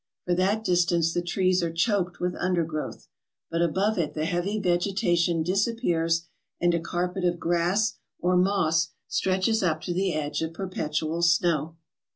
For that distance the trees are choked with undergrowth; but above it the heavy vegetation disap pears, and a carpet of grass or moss stretches up to the edge of perpetual snow.